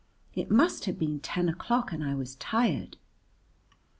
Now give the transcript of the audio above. It must have been ten o'clock and I was tired.